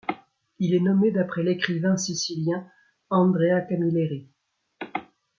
Il est nommé d'après l'écrivain sicilien Andrea Camilleri.